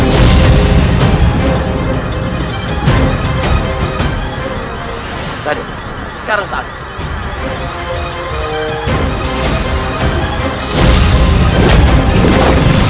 hai hai hai tadi sekarang saatnya